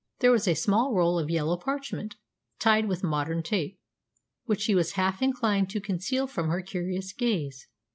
There was a small roll of yellow parchment, tied with modern tape, which he was half inclined to conceal from her curious gaze.